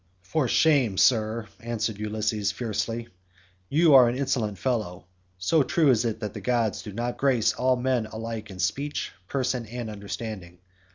"For shame, Sir," answered Ulysses, fiercely, "you are an insolent fellow—so true is it that the gods do not grace all men alike in speech, person, and understanding.